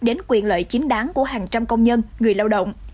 đến quyền lợi chính đáng của hàng trăm công nhân người lao động